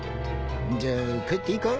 じゃあ帰っていいか？